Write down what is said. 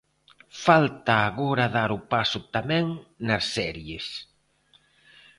Falta agora dar o paso tamén nas series.